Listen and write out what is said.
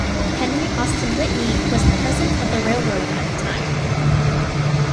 Henry Austin Whitney was the president of the railroad at the time.